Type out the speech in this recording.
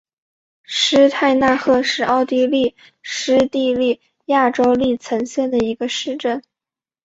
施泰纳赫是奥地利施蒂利亚州利岑县的一个市镇。